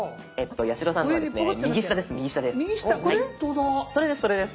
八代さんのはですね右下です。